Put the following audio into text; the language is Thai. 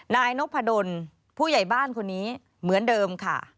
นายนพดลผู้ใหญ่บ้านคนนี้เหมือนเดิมค่ะ